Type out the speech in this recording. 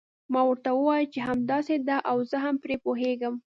ما ورته وویل چې همداسې ده او زه هم پرې پوهیږم.